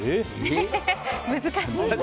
難しい。